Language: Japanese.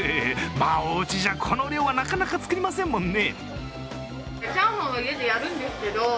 まあおうちじゃこの量はなかなか作りませんもんね。